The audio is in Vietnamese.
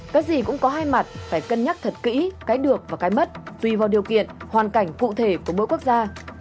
cái gì cũng có hai mặt phải cân nhắc thật kỹ cái được và cái mất tùy vào điều kiện hoàn cảnh cụ thể của mỗi quốc gia